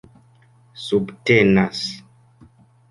subtenas